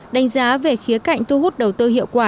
đánh giá về khía cạnh thu hút đầu tư hiệu quả